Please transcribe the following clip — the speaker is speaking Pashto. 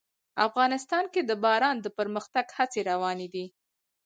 افغانستان کې د باران د پرمختګ هڅې روانې دي.